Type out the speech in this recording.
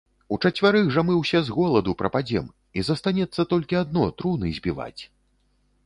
- Учацвярых жа мы ўсе з голаду прападзем, і застанецца толькі адно - труны збіваць